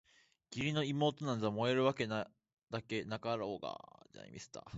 義理の妹なんざ萌えるだけだろうがあ！